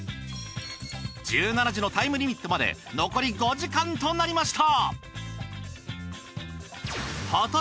１７時のタイムリミットまで残り５時間となりました。